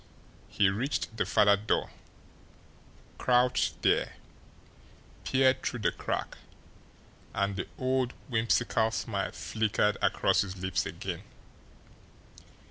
He reached the farther door, crouched there, peered through the crack and the old whimsical smile flickered across his lips again.